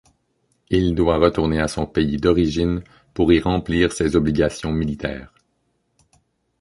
Il doit retourner à son pays d'origine pour y remplir ses obligations militaires.